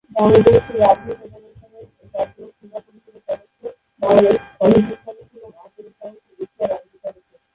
Bangladesh rugby federation জাতীয় ক্রীড়া পরিষদের সদস্য, বাংলাদেশ অলিম্পিক সমিতি এবং আঞ্চলিক সমিতি এশিয়া রাগবি সদস্য।